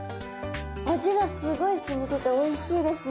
味がすごい染みてておいしいですね。